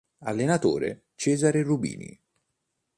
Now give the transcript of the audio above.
Allenatore: Cesare Rubini